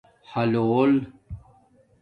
حُلُݸل